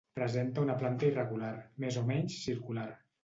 Presenta una planta irregular, més o menys circular.